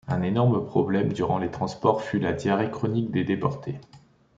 Un énorme problème durant les transports fut la diarrhée chronique des déportés.